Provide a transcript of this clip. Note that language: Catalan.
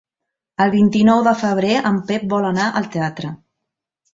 El vint-i-nou de febrer en Pep vol anar al teatre.